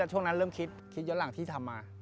ก็ช่วงนั้นเริ่มคิดคิดตอนหลังที่จะทำมา